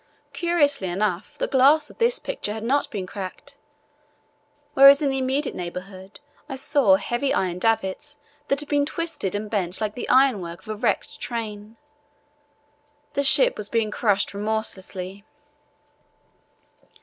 Curiously enough, the glass of this picture had not been cracked, whereas in the immediate neighbourhood I saw heavy iron davits that had been twisted and bent like the ironwork of a wrecked train. The ship was being crushed remorselessly.